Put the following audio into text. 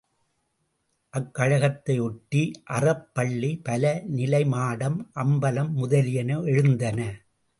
அக்கழகத்தை ஒட்டி அறப் பள்ளி, பல நிலை மாடம், அம்பலம் முதலியன எழுந்தன.